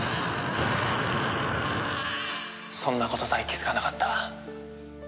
そんなことさえ気づかなかった。